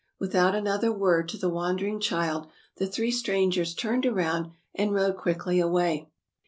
Without another word to the wondering child, the three strangers turned around and rode quickly away.